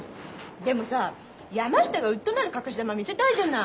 でもさ山下がウッとなる隠し玉見せたいじゃない。